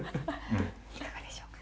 いかがでしょうか？